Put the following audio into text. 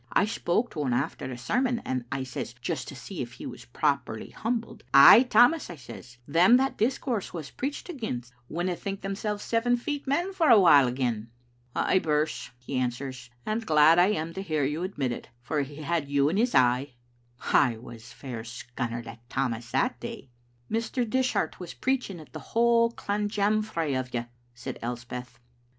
I spoke to him after the sermon, and I says, just to see if he was properly humbled, 'Ay, Tammas,' I says, *them that discourse was preached against, winna think themselves seven feet men for a while again.' 'Ay, Birse,' he answers, 'and glad I am to hear you admit it, for he had you in his eye.* I was fair scunnered at Tammas the day." " Mr. Dishart was preaching at the whole clanjamfray o* you," said Elspeth.